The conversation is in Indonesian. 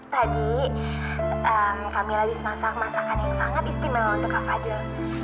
tadi kami ladis masak masakan yang sangat istimewa untuk kak fadil